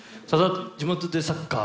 地元でサッカー。